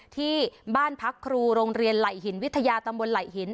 ที่บ้านพักครูโรงเรียนไหล่หินวิทยาตำบลไหล่หิน